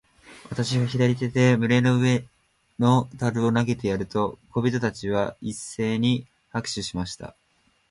私が左手で胸の上の樽を投げてやると、小人たちは一せいに拍手しました。